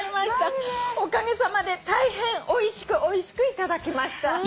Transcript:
「おかげさまで大変おいしくおいしくいただきました」